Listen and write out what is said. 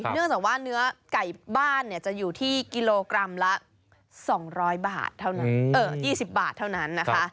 เนื่องจากว่าเนื้อไก่บ้านเนี่ยจะอยู่ที่กิโลกรัมละสองร้อยบาทเท่านั้นเออยี่สิบบาทเท่านั้นนะคะ